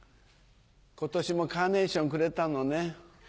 今年もカーネーションくれたのね。